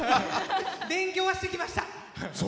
勉強はしてきました。